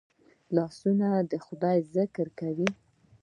لاسونه د خدای ذکر کوي